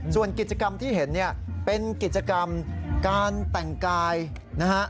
ส่วนกิจกรรมที่เห็นเนี่ยเป็นกิจกรรมการแต่งกายนะฮะ